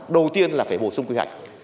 đầu tiên là phải bổ sung quy hoạch